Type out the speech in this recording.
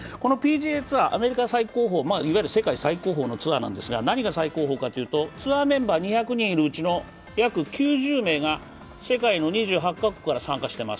アメリカ最高峰、いわゆる世界最高峰のツアーなんですが何が最高峰かというとツアーメンバー２００人いるうちの約９０名が世界の２８カ国から参加しています。